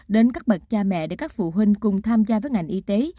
đến các bậc cha mẹ để các phụ huynh cùng tham gia với ngành y tế